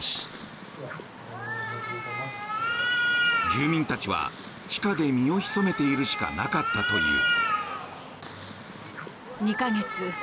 住民たちは地下で身を潜めているしかなかったという。